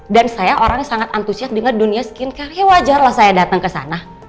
dan saya orang yang sangat antusias dengan dunia skincare ya wajar lah saya datang ke sana